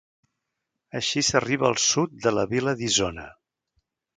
Així s'arriba al sud de la vila d'Isona.